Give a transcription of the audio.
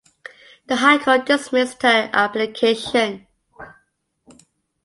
The High Court dismissed her application.